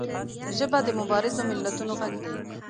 ژبه د مبارزو ملتونو غږ دی